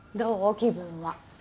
気分は。